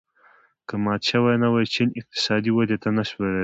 که مات شوی نه وای چین اقتصادي ودې ته نه وای رسېدلی.